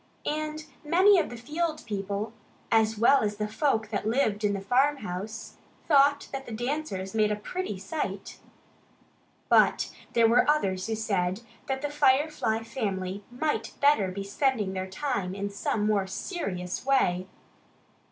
And many of the field people, as well as the folk that lived in the farmhouse, thought that the dancers made a pretty sight. But there were others who said that the Firefly family might better be spending their time in some more serious way.